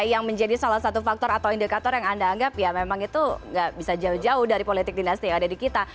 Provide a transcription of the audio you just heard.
yang menjadi salah satu faktor atau indikator yang anda anggap ya memang itu nggak bisa jauh jauh dari politik dinasti yang ada di kita